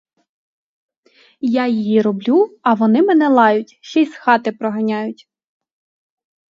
Я їм роблю, а вони мене лають, ще й з хати проганяють.